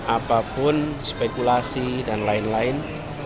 apapun spekulasi dan lain lain